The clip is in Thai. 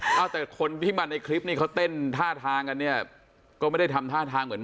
เอาแต่คนที่มาในคลิปนี้เขาเต้นท่าทางกันเนี่ยก็ไม่ได้ทำท่าทางเหมือน